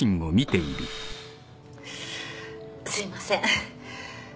すいません。